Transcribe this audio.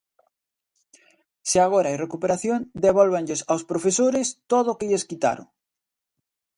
Se agora hai recuperación, devólvanlles aos profesores todo o que lles quitaron.